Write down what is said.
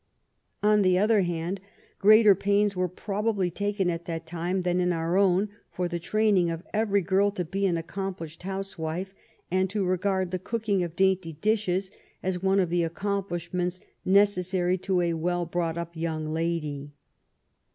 On the other hand, greater pains were probably taken at that time than in our own for the training of every girl to be an ac complished housewife, and to regard the cooking of dainty dishes as one of the accomplishments necessary to a well brought up young lady.